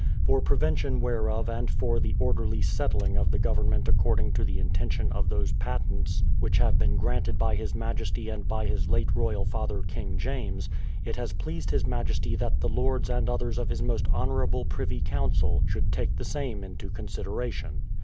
For prevention whereof and for the orderly settling of the government according to the intention of those patents which have been granted by his majesty and by his late royal father King James, it has pleased his majesty that the lords and others of his most honourable Privy Council should take the same into consideration.